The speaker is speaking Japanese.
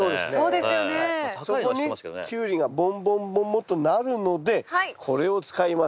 そこにキュウリがボンボンボンボンとなるのでこれを使います。